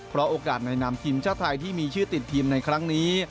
เพราะโอกาสในนามทีมชาติไทยที่มีชื่อติดทีมในครั้งนี้